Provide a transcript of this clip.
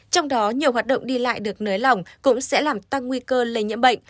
trong đó nhiều hoạt động đi lại được nới lỏng cũng sẽ làm tăng nguy cơ lây nhiễm bệnh